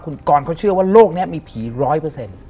คุณกรเขาเชื่อว่าโลกนี้มีผีร้อยเปอร์เซ็นต์